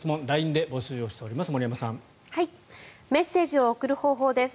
ＬＩＮＥで募集しています。